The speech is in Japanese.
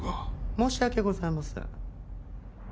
申し訳ございません。